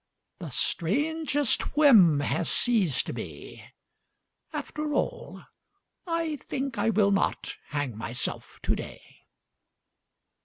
The strangest whim has seized me ... After all I think I will not hang myself today.